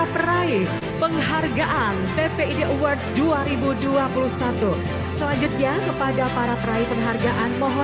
selamat kepada para pemenang